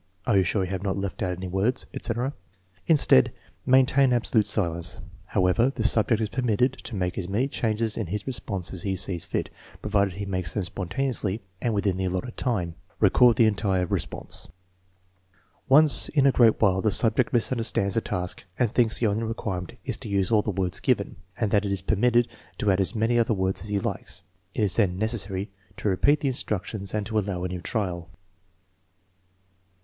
" "Are you sure you have not left out any words ?" etc. Instead, maintain ab solute silence. However, the subject is permitted to make as many changes in his response as he sees fit, provided he makes them spontaneously and within the allotted time. Record the entire response. Once in a great while the subject misunderstands the task and thinks the only requirement is to use all the words given, and that it is permitted to add as many other words as he likes. It is then necessary to repeat the in structions and to allow a new trial.